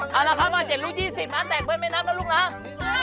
เอาละครับ๗ลูก๒๐นะแตกเบิ้ลไม่นับนะลูกนะ